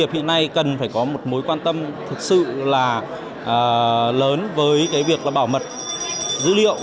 phải có một mối quan tâm thật sự là lớn với việc bảo mật dữ liệu